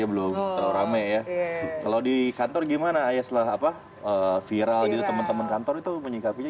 belum terlalu rame ya kalau di kantor gimana ya setelah apa viral gitu teman teman kantor itu menyingkapinya